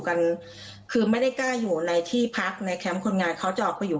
กันคือไม่ได้กล้าอยู่ในที่พักในแคมป์คนงานเขาจะออกไปอยู่